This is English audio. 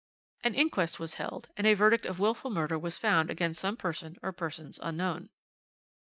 "An inquest was held, and a verdict of wilful murder was found against some person or persons unknown.